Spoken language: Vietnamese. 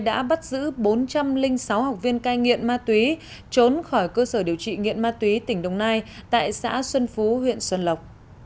đã bắt giữ bốn trăm linh sáu học viên cai nghiện ma túy trốn khỏi cơ sở điều trị nghiện ma túy tỉnh đồng nai tại xã xuân phú huyện xuân lộc